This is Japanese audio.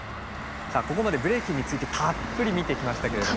さあここまでブレイキンについてたっぷり見てきましたけれども。